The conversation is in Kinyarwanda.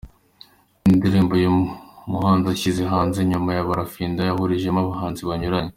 Ni indirimbo uyu muhanzi ashyize hanze nyuma ya 'Barafinda' yahurijemo abahanzi banyuranye.